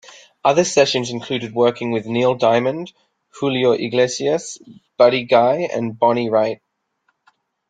Other sessions included working with Neil Diamond, Julio Iglesias, Buddy Guy and Bonnie Raitt.